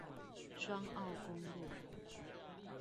雙澳公路